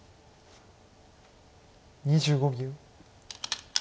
２５秒。